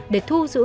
để thu giữ